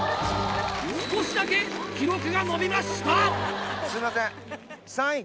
少しだけ記録が伸びました。